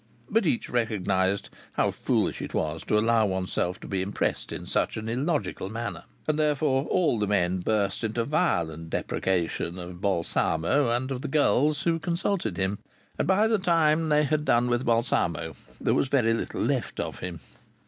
But each recognized how foolish it was to allow oneself to be so impressed in such an illogical manner. And therefore all the men burst into violent depreciation of Balsamo and of the gulls who consulted him. And by the time they had done with Balsamo there was very little left of him.